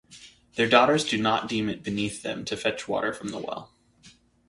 Their daughters do not deem it beneath them to fetch water from the well.